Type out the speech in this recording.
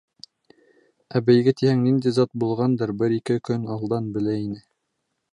Ә бәйге тиһәң, ниндәй зат булғандыр, бер-ике көн алдан белә ине.